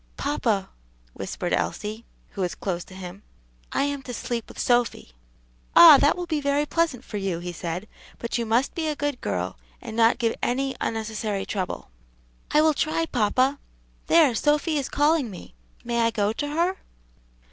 "Papa," whispered Elsie, who was close to him, "I am to sleep with Sophy." "Ah! that will be very pleasant for you," he said, "but you must be a good girl, and not give any unnecessary trouble." "I will try, papa. There, Sophy is calling me; may I go to her?"